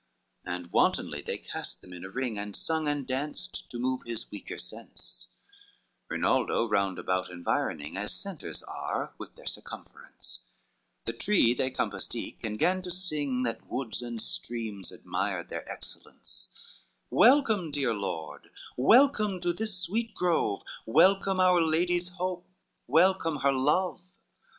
XXVIII And wantonly they cast them in a ring, And sung and danced to move his weaker sense, Rinaldo round about environing, As centres are with their circumference; The tree they compassed eke, and gan to sing, That woods and streams admired their excellence; "Welcome, dear lord, welcome to this sweet grove, Welcome our lady's hope, welcome her love.